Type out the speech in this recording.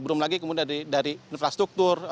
belum lagi kemudian dari infrastruktur